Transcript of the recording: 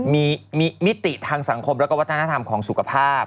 มีมิติทางสังคมและวัฒนธรรมของสุขภาพ